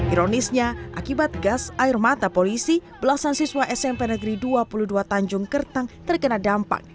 ironisnya akibat gas air mata polisi belasan siswa smp negeri dua puluh dua tanjung kertang terkena dampak